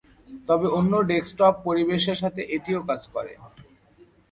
তবে অন্য ডেস্কটপ পরিবেশের সাথেও এটি কাজ করে।